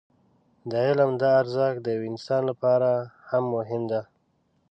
د علم دا ارزښت د يوه انسان لپاره هم مهم دی.